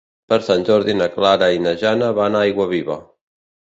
Per Sant Jordi na Clara i na Jana van a Aiguaviva.